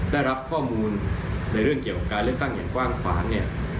ได้รับข้อมูลในเรื่องเกี่ยวกับการเลือกตั้งอย่างกว้างขวางเนี่ย